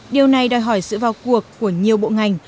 điều này đòi hỏi sự vào cuộc của nhiều bộ ngành